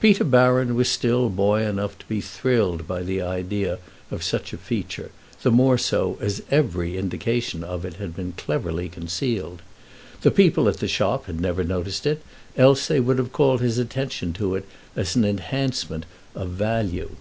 Peter Baron was still boy enough to be thrilled by the idea of such a feature, the more so as every indication of it had been cleverly concealed. The people at the shop had never noticed it, else they would have called his attention to it as an enhancement of value.